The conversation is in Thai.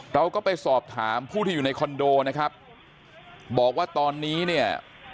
เราก็ไปสอบถามผู้ที่อยู่ในคอนโดนะครับบอกว่าตอนนี้เนี่ย